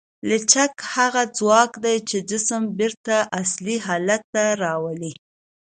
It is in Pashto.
لچک هغه ځواک دی چې جسم بېرته اصلي حالت ته راولي.